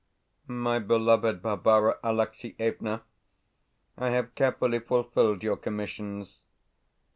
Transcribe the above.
MY BELOVED BARBARA ALEXIEVNA, I have carefully fulfilled your commissions.